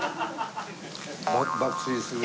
爆睡する。